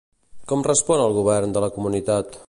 Com respon el govern de la comunitat?